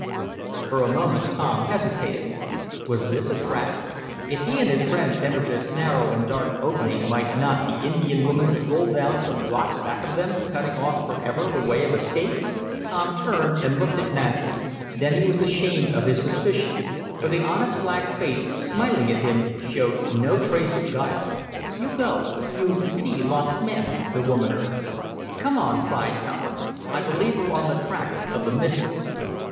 For a moment Tom hesitated. Was this a trap? If he and his friends entered this narrow and dark opening might not the Indian woman roll down some rock back of them, cutting off forever the way of escape? Tom turned and looked at Masni. Then he was ashamed of his suspicion, for the honest black face, smiling at him, showed no trace of guile. "You go you see lost men," the woman urged. "Come on!" cried Tom. "I believe we're on the track of the mystery!"